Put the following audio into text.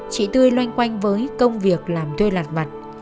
chị tươi loanh quanh với công việc làm thuê lạt mặt